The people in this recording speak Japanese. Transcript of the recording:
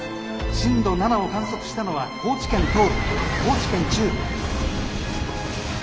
震度７を観測したのは高知県東部高知県中部」。